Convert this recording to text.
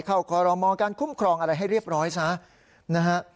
เข้าขอรมน์การคุ้มครองอะไรให้เรียบร้อยทั้งนี้นะฮะ